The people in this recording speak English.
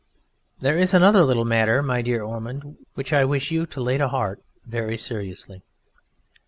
There is another little matter, my dear Ormond, which I wish you to lay to heart very seriously.